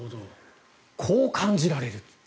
こう感じられると。